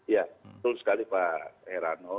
ya betul sekali pak herano